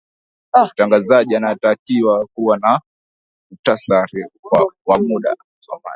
mtangazaji anatakiwa kuwa na muhtasari wa mada